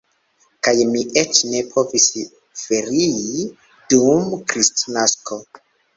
Kaj mi eĉ ne povis ferii dum Kristnasko.